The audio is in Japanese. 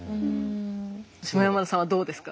下山田さんはどうですか？